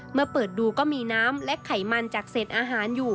เมื่อเปิดดูก็มีน้ำและไขมันจากเศษอาหารอยู่